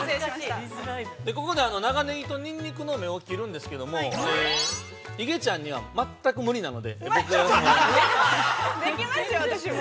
ここで長ねぎとニンニクの芽を切るんですけど、イゲちゃんには、全く無理なので、僕がやりましょう。